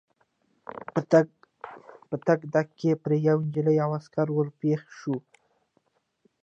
په تګ تګ کې پر یوې نجلۍ او عسکر ور پېښ شوو.